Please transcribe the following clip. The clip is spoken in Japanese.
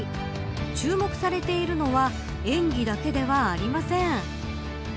注目されているのは演技だけではありません。